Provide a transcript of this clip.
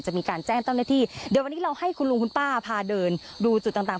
จะมีการแจ้งเจ้าหน้าที่เดี๋ยววันนี้เราให้คุณลุงคุณป้าพาเดินดูจุดต่างต่าง